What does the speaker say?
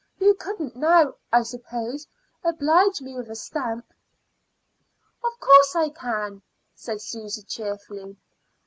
You couldn't now, I suppose, oblige me with a stamp." "Of course I can," said Susy, cheerfully.